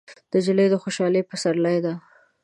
نجلۍ د خوشحالۍ پسرلی ده.